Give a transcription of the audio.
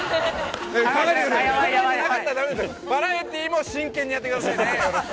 バラエティーも真剣にやってくださいね。